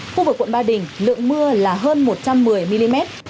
khu vực quận ba đình lượng mưa là hơn một trăm một mươi mm